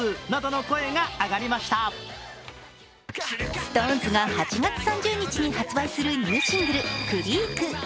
ＳｉｘＴＯＮＥＳが８月３０日に発売するニューシングル「ＣＲＥＡＫ」。